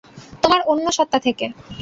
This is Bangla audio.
তোমার অন্য সত্তা থেকে।